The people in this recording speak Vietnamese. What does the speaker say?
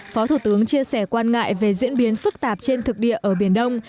phó thủ tướng chia sẻ quan ngại về diễn biến phức tạp trên thực địa ở biển đông